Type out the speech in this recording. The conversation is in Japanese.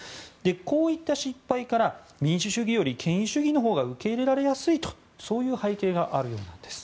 こういった失敗から民主主義より権威主義のほうが受け入れられやすいという背景があるようなんです。